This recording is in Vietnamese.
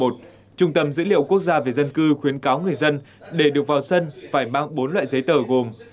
trung tâm dữ liệu quốc gia về dân cư khuyến cáo người dân để được vào sân phải mang bốn loại giấy tờ gồm